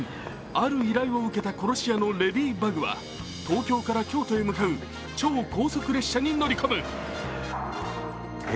ある依頼を受けた殺し屋のレディバグは東京から京都へ向かう超高速列車に乗り込む。